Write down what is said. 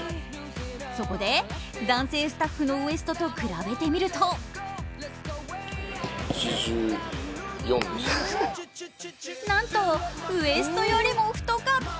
そこで男性スタッフのウエストと比べてみるとなんとウエストよりも太かった。